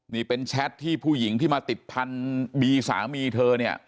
นี่เป็นแชทที่ผู้หญิงที่มาติดพันธุ์บีสามีเธอเนี่ย